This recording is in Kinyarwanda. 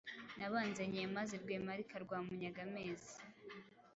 Nabanze Nyemazi rwemarika rwa Munyaga-mpezi